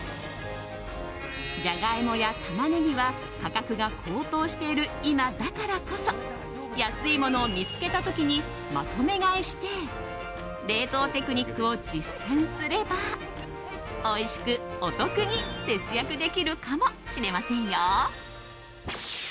ジャガイモやタマネギは価格が高騰している今だからこそ安いものを見つけた時にまとめ買いして冷凍テクニックを実践すればおいしくお得に節約できるかもしれませんよ。